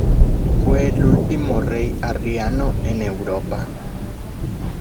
Fue el último rey arriano en Europa.